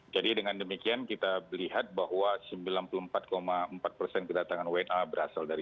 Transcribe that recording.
jadi dengan demikian kita melihat bahwa sembilan puluh empat empat persen kedatangan wni nya berasal dari